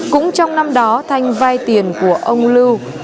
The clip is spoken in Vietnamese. cũng trong năm đó thanh vay tiền của ông lưu